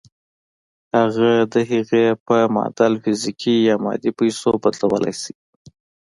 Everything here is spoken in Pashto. هغه د هغې په معادل فزيکي يا مادي پيسو بدلولای شئ.